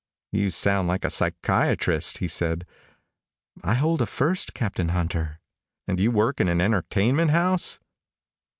"You sound like a psychiatrist," he said. "I hold a First, Captain Hunter." "And you work in an entertainment house?"